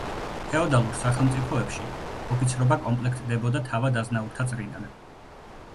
ფეოდალურ სახელმწიფოებში ოფიცრობა კომპლექტდებოდა თავად-აზნაურთა წრიდან.